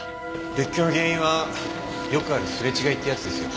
別居の原因はよくあるすれ違いってやつですよ。